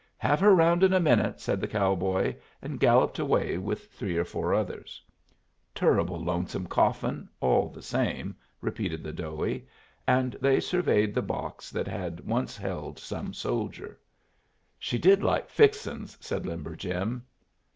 "Have her round in a minute," said the cowboy, and galloped away with three or four others. "Turruble lonesome coffin, all the same," repeated the Doughie. And they surveyed the box that had once held some soldier. "She did like fixin's," said Limber Jim.